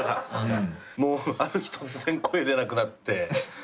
ある日突然声出なくなって。